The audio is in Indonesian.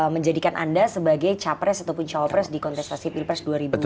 menjadikan anda sebagai cawapres di konteksasi pilpres dua ribu dua puluh empat